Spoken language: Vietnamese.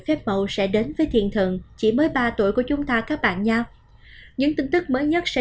phép màu sẽ đến với thiên thần chỉ mới ba tuổi của chúng ta các bạn nhau những tin tức mới nhất sẽ